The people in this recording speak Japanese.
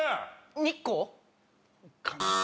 日光？